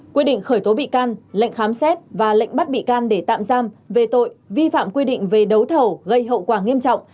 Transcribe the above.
quyết định khởi tố bị can lệnh khám xét và lệnh bắt bị can để tạm giam về tội vi phạm quy định về đấu thầu gây hậu quả nghiêm trọng